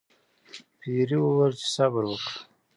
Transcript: پیري وویل چې صبر وکړه.